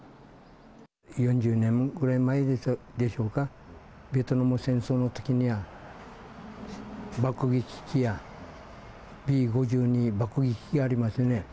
４０年ぐらい前でしょうか、ベトナム戦争のときには、爆撃機や、Ｂ５２爆撃機がありますね。